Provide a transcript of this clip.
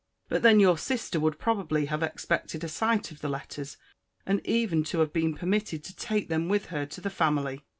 But then your sister would probably have expected a sight of the letters, and even to have been permitted to take them with her to the family.